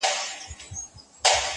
مصیبت دي پر وېښتانو راوستلی؟-